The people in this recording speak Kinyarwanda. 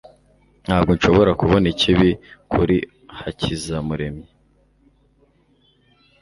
Ntabwo nshobora kubona ikibi kuri Hakizamuremyi